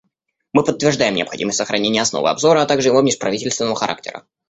Мы подтверждаем необходимость сохранения основы обзора, а также его межправительственного характера.